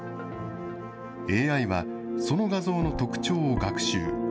ＡＩは、その画像の特徴を学習。